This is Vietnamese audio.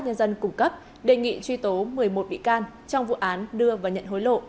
cơ quan cảnh sát nhân dân củng cấp đề nghị truy tố một mươi một bị can trong vụ án đưa và nhận hối lộ